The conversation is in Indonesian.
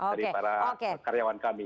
dari para karyawan kami